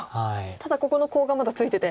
ただここのコウがまだついてて。